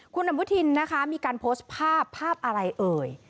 คุณอนุทินนะคะมีการโพสต์ภาพภาพอะไรเอ่ย